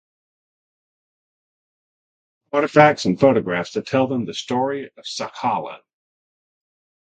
Visitors can explore unique artifacts and photographs that tell the story of Sakhalin.